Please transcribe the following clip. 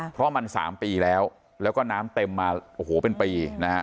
เพราะมัน๓ปีแล้วแล้วก็น้ำเต็มมาโอ้โหเป็นปีนะฮะ